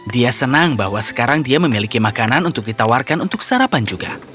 dia senang bahwa sekarang dia memiliki makanan untuk ditawarkan untuk sarapan juga